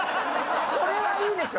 これはいいでしょ。